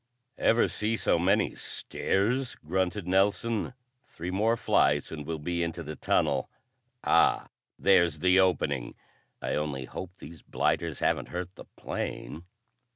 "Ever see so many stairs?" grunted Nelson. "Three more flights and we'll be into the tunnel; ah, there's the opening. I only hope these blighters haven't hurt the plane."